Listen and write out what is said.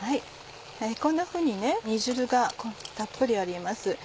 こんなふうに煮汁がたっぷりあります。